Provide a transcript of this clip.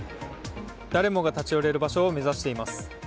誰もが立ち寄れる場所を目指しています。